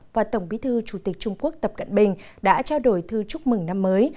và tổng bí thư chủ tịch trung quốc tập cận bình đã trao đổi thư chúc mừng năm mới